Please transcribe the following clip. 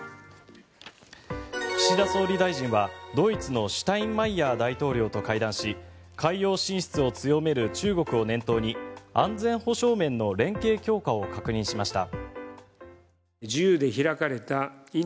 岸田総理大臣はドイツのシュタインマイヤー大統領と会談し海洋進出を強める中国を念頭に安全保障面の連携強化を確認しました。